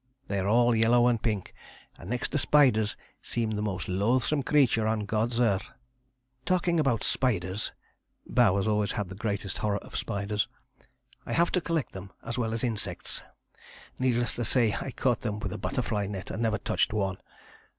They are all yellow and pink, and next to spiders seem the most loathsome creatures on God's earth. Talking about spiders [Bowers always had the greatest horror of spiders] I have to collect them as well as insects. Needless to say I caught them with a butterfly net, and never touched one.